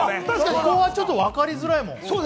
ここはちょっと分かりづらいもん。